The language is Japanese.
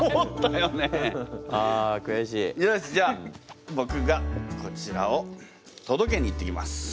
よしじゃあぼくがこちらをとどけに行ってきます。